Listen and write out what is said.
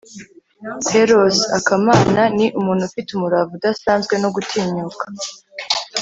hērōs = akamana. ni umuntu ufite umurava udasanzwe no gutinyuka